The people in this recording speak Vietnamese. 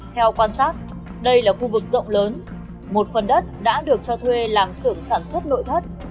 theo quan sát đây là khu vực rộng lớn một phần đất đã được cho thuê làm xưởng sản xuất nội thất